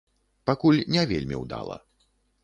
Пакуль не вельмі ўдала.